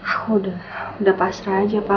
aku udah pasrah aja pak